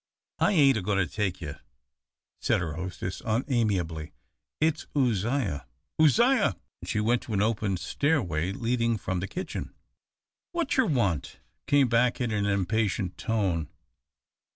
"I ain't a goin' to take you," said her hostess, unamiably, "it's Uzziah Uzziah!" and she went to an open stairway leading from the kitchen. "What cher want?" came back, in an impatient tone.